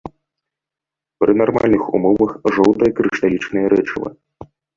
Пры нармальных умовах жоўтае крышталічнае рэчыва.